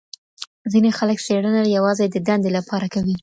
ځیني خلګ څېړنه یوازي د دندې لپاره کوي.